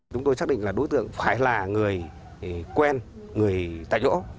chúng tôi chắc đỉnh là đối tượng phải là người quen người tại chỗ